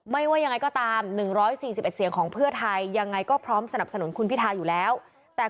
ไม่ว่ายังไงก็ตาม๑๔๑เสียงของเพื่อไทยยังไงก็พร้อมสนับสนุนกูอยู่แล้วแต่คุณพิทาเอง